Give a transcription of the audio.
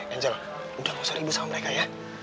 angel udah gak usah ribu sauan lagi ya